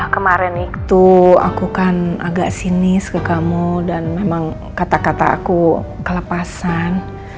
kemarin itu aku kan agak sinis ke kamu dan memang kata kata aku kelepasan